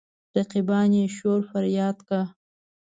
رقیبان يې شور فرياد کا.